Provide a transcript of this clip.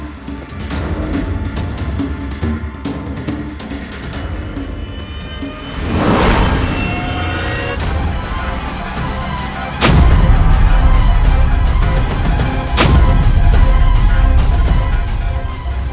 apakah mereka berhasil menjual barang dari istana